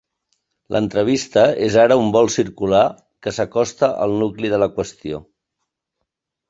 L'entrevista és ara un vol circular que s'acosta al nucli de la qüestió.